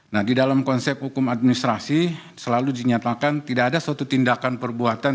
nah di dalam konsep hukum administrasi selalu dinyatakan tidak ada suatu tindakan perbuatan